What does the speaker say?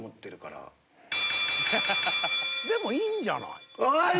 でもいいんじゃない？